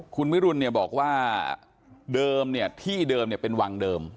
คุณวิรุณเนี่ยบอกว่าเดิมเนี่ยที่เดิมเนี่ยเป็นวังเดิม